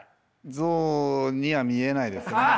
ゾウには見えないですね。